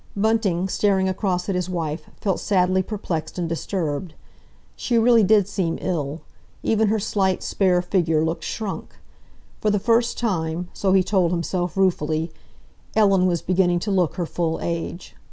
Bunting, staring across at his wife, felt sadly perplexed and disturbed. She really did seem ill; even her slight, spare figure looked shrunk. For the first time, so he told himself ruefully, Ellen was beginning to look her full age.